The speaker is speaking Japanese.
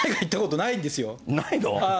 ないの？